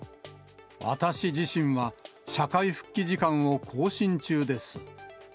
私自身は社会復帰時間を更新中です。